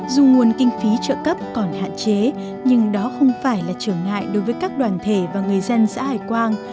dù nguồn kinh phí trợ cấp còn hạn chế nhưng đó không phải là trở ngại đối với các đoàn thể và người dân xã hải quang